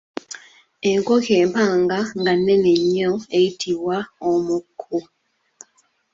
Enkoko empanga nga nnene nnyo eyitibwa omukku.